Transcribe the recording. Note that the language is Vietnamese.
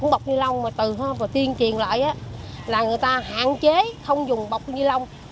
bọc ni lông từ tiên truyền lại là người ta hạn chế không dùng bọc ni lông